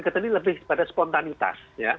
kita ini lebih pada spontanitas